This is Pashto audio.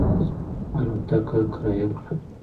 الوتکه کرایه کړه.